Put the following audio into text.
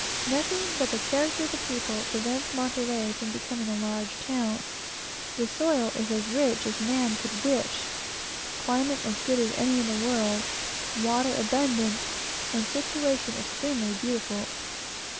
Nothing but the character of the people prevents Monterey from becoming a great town. The soil is as rich as man could wish; climate as good as any in the world; water abundant, and situation extremely beautiful.